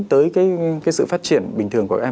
tới cái sự phát triển bình thường của em